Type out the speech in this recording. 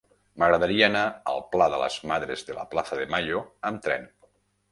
M'agradaria anar al pla de les Madres de la Plaza de Mayo amb tren.